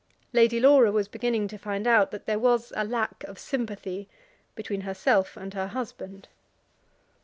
Lady Laura was beginning to find out that there was a lack of sympathy between herself and her husband.